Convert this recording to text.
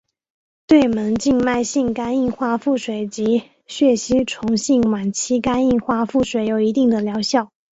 对门静脉性肝硬化腹水及血吸虫性晚期肝硬化腹水也有一定的疗效。